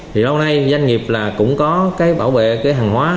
thì lâu nay doanh nghiệp là cũng có cái bảo vệ cái hàng hóa